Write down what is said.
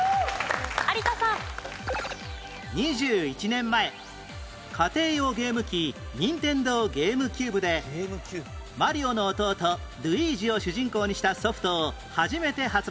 ２１年前家庭用ゲーム機ニンテンドーゲームキューブでマリオの弟ルイージを主人公にしたソフトを初めて発売